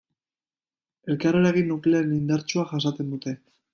Elkarreragin nuklear indartsua jasaten dute.